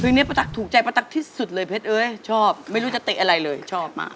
นี้ป้าตั๊กถูกใจป้าตั๊กที่สุดเลยเพชรเอ้ยชอบไม่รู้จะเตะอะไรเลยชอบมาก